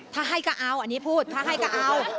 ถ้าให้ก็เอาอันนี้พูดถ้าให้ก็เอา